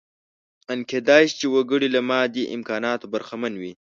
ان کېدای شي وګړی له مادي امکاناتو برخمن وي.